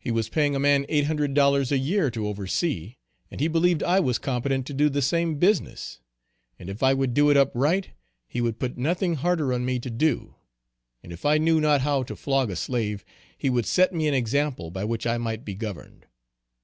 He was paying a man eight hundred dollars a year to oversee, and he believed I was competent to do the same business, and if I would do it up right he would put nothing harder on me to do; and if I knew not how to flog a slave, he would set me an example by which I might be governed.